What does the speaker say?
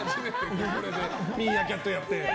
ミーアキャットやって。